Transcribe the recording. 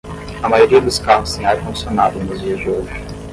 A maioria dos carros tem ar condicionado nos dias de hoje.